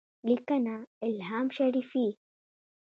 لیکنه : الهام شریفي